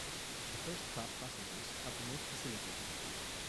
The first class passengers had the most facilities.